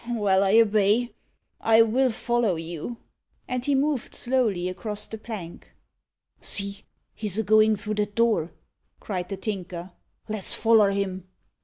Well, I obey. I will follow you." And he moved slowly across the plank. "See, he's a goin' through that door," cried the Tinker. "Let's foller him."